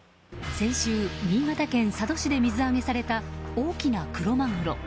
先週、新潟県佐渡市で水揚げされた大きなクロマグロ。